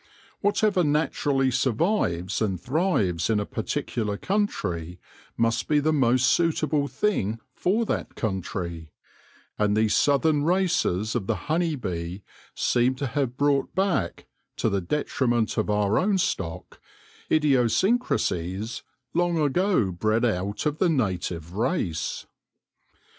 Whatever naturally survives and thrives in a particular country, must be the most suitable thing for that country ; and these southern races of the honey bee seem to have brought back, to the detriment of our own stock, idiosyncrasies long ago bred out of the native race.